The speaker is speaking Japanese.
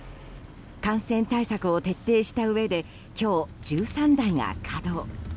感染対策を徹底したうえで今日、１３台が稼働。